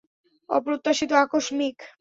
অপ্রত্যাশিত, আকস্মিক।